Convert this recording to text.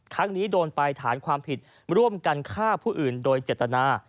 ครั้งนี้โดนไปฐานความผิดร่วมกันฆ่าผู้อื่นโดยเจตนา